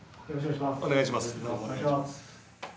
お願いします。